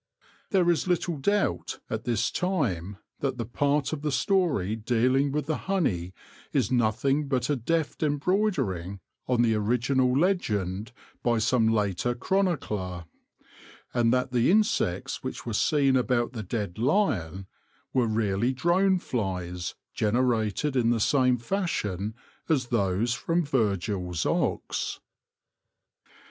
There is little doubt at this time that the part of the story dealing with the honey is nothing but a deft embroidering on the original legend by some later chronicler ; and that the insects which were seen about the dead lion were really drone flies generated in the same fashion as those from Virgil's ox.